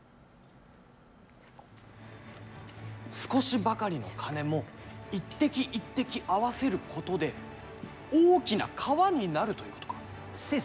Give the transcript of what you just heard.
少しばかりの金も一滴一滴、合わせることで大きな川になるということか。